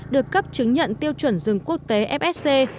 được cấp chứng nhận tiêu chuẩn rừng quốc tế fsc